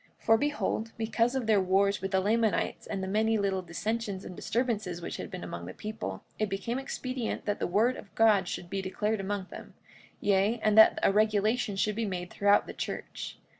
45:21 For behold, because of their wars with the Lamanites and the many little dissensions and disturbances which had been among the people, it became expedient that the word of God should be declared among them, yea, and that a regulation should be made throughout the church.